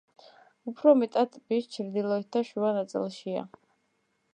უფრო მეტად ტბის ჩრდილოეთ და შუა ნაწილშია.